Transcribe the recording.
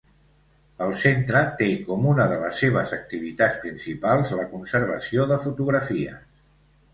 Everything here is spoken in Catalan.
El centre té com una de les seves activitats principals la conservació de fotografies.